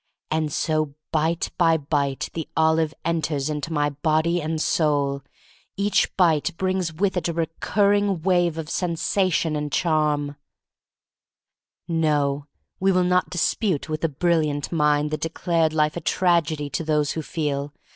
And so, bite by bite, the olive enters into my body and soul. Each bite brings with it a recurring wave of sen sation and charm. No. We will not dispute with the THE STORY OF MARY MAC LANE 87 brilliant mind that declared life a tragedy to those who feel.